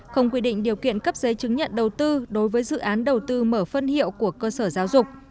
không quy định điều kiện cấp giấy chứng nhận đầu tư đối với dự án đầu tư mở phân hiệu của cơ sở giáo dục